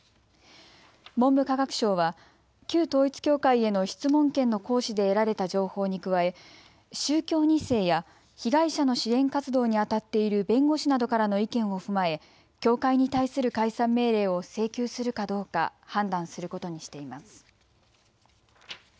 文部科学省は旧統一教会への質問権の行使で得られた情報に加え宗教２世や被害者の支援活動にあたっている弁護士などからの意見を踏まえ教会に対する解散命令を請求するかどうか判断することにしています。